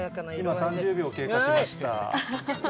今、３０秒経過しました。